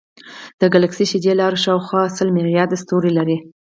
د ګلکسي شیدې لار شاوخوا سل ملیارده ستوري لري.